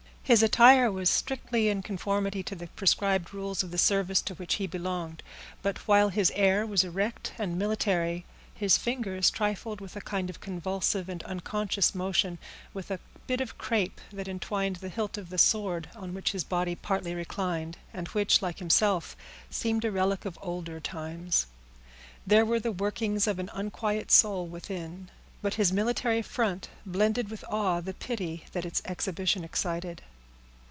His attire was strictly in conformity to the prescribed rules of the service to which he belonged; but while his air was erect and military, his fingers trifled with a kind of convulsive and unconscious motion, with a bit of crape that entwined the hilt of the sword on which his body partly reclined, and which, like himself, seemed a relic of older times. There were the workings of an unquiet soul within; but his military front blended awe with the pity that its exhibition excited.